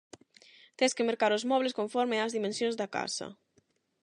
Tes que mercar os mobles conforme ás dimensións da casa.